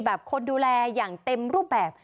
คนดูแลอย่างเต็มรูปแบบ